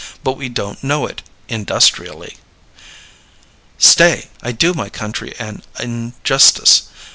But we don't know it industrially. Stay! I do my country an injustice.